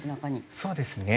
そうですね。